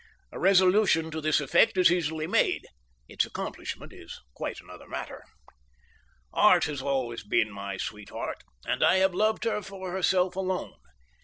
A resolution to this effect is easily made; its accomplishment is quite another matter. Art has always been my sweetheart, and I have loved her for herself alone.